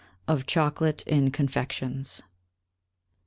I Of Chocolate in Confections.